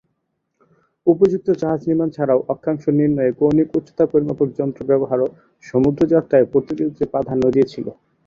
উপযুক্ত জাহাজ নির্মান ছাড়াও অক্ষাংশ নির্ণয়ে কৌণিক উচ্চতা পরিমাপক যন্ত্র ব্যবহারও সমুদ্রযাত্রায় পর্তুগিজদের প্রাধান্য দিয়েছিল।